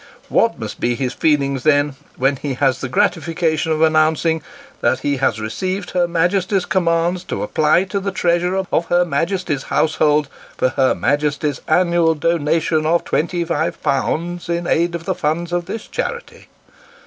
What must be his feelings, then, when he has the gratification of announcing, that he has received her Majesty's commands to apply to the Treasurer of her Majesty's House hold, for her Majesty's annual donation of 25Z. in aid of the funds of this charity